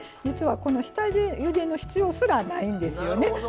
実はこの下ゆでの必要すらないんですよね。